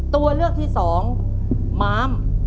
ตัวเลือกที่สองม้าม